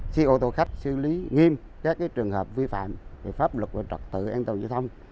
cô tổ khách xử lý nghiêm các trường hợp vi phạm về pháp luật và trật tự an toàn giới thông